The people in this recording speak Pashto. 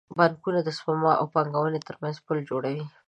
بانکونه د سپما او پانګونې ترمنځ پل جوړوي.